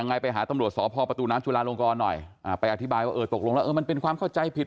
ไปหาตำรวจสพประตูน้ำจุลาลงกรหน่อยไปอธิบายว่าเออตกลงแล้วเออมันเป็นความเข้าใจผิด